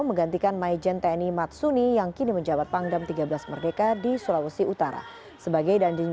menggantikan myjantani matsuni yang kini menjawab pangdam tiga belas merdeka di sulawesi utara sebagai danjen